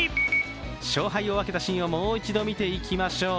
勝敗を分けたシーンをもう一度見ていきましょう。